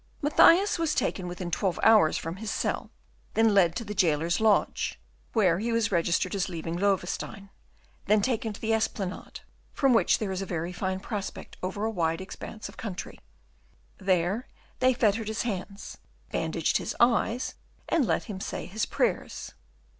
Mathias was taken within twelve hours from his cell, then led to the jailer's lodge, where he was registered as leaving Loewestein, then taken to the Esplanade, from which there is a very fine prospect over a wide expanse of country. There they fettered his hands, bandaged his eyes, and let him say his prayers.